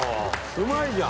うまいじゃん！